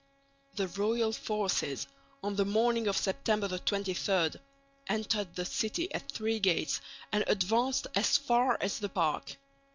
The royal forces, on the morning of September 23, entered the city at three gates and advanced as far as the Park.